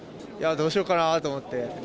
どうしようかなと思って。